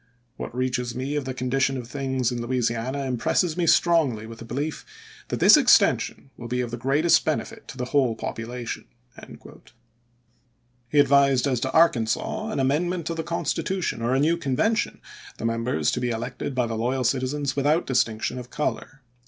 .. What reaches me of the condition of things in Louisiana impresses me strongly with the belief that this extension will be of the greatest benefit to the whole population." He advised, as to Arkansas, an amendment of the constitution, or a new convention, the members to be elected by the loyal citizens, without distinction of color.